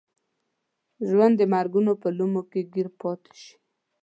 ژوند د مرګونو په لومو کې ګیر پاتې شي.